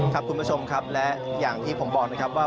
คุณผู้ชมครับและอย่างที่ผมบอกนะครับว่า